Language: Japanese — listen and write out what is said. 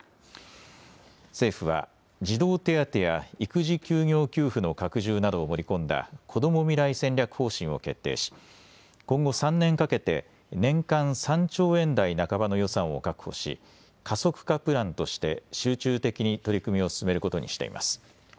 政府は児童手当や育児休業給付の拡充などを盛り込んだこども未来戦略方針を決定し今後３年かけて年間３兆円台半ばの予算を確保し加速化プランとして集中的に取り組みを進めることにしています。